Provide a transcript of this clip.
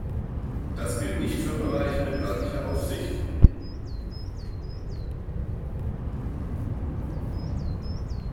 Das gilt nicht für Bereiche mit örtlicher Aufsicht.